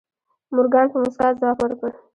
مورګان په موسکا ځواب ورکړ.